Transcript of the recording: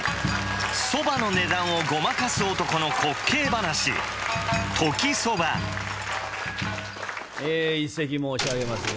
そばの値段をごまかす男の滑稽噺「時そば」え一席申し上げますが。